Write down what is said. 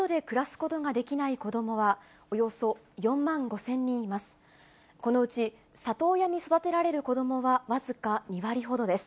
このうち里親に育てられる子どもは僅か２割ほどです。